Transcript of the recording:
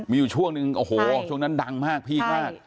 มีอยู่ช่วงหนึ่งโอ้โหช่วงนั้นดังมากพีคมาก